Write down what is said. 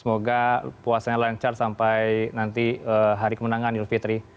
semoga puasanya lancar sampai nanti hari kemenangan idul fitri